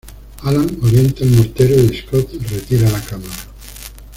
Alan orienta el mortero y Scott retira la cámara.